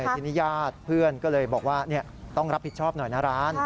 ทีนี้ญาติเพื่อนก็เลยบอกว่าต้องรับผิดชอบหน่อยนะร้าน